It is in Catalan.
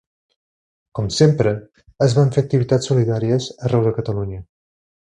Com sempre, es van fer activitats solidàries arreu de Catalunya.